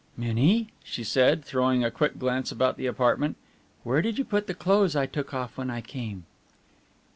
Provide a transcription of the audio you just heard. "Minnie," she said, throwing a quick glance about the apartment, "where did you put the clothes I took off when I came?"